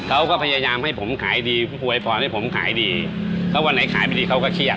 เขาก็พยายามให้ผมขายดีอวยพรให้ผมขายดีเพราะวันไหนขายไม่ดีเขาก็เครียด